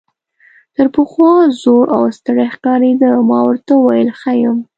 تر پخوا زوړ او ستړی ښکارېده، ما ورته وویل ښه یم.